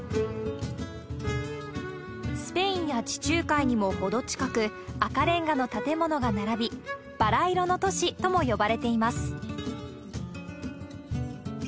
スペインや地中海にも程近く、赤れんがの建物が並び、バラ色の都市とも呼ばれています。